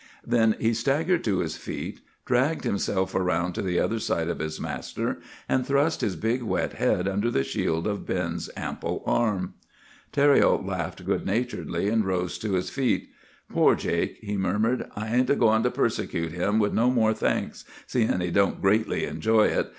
Then he staggered to his feet, dragged himself around to the other side of his master, and thrust his big wet head under the shield of Ben's ample arm. "Thériault laughed good naturedly and rose to his feet. 'Poor Jake!' he murmured, 'I ain't goin' to persecute him with no more thanks, seein' he don't greatly enjoy it.